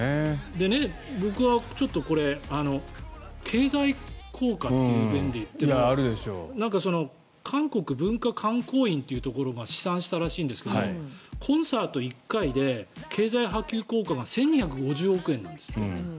僕はちょっとこれ経済効果という面で言うと韓国文化観光院というところが試算したらしいんですがコンサート１回で経済波及効果が１２５０億円なんですって。